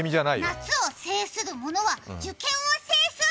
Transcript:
夏を制する者は受験を制す！